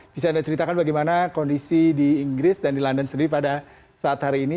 bisa anda ceritakan bagaimana kondisi di inggris dan di london sendiri pada saat hari ini